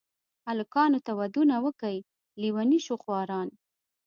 الکانو ته ودونه وکئ لېوني شوه خواران.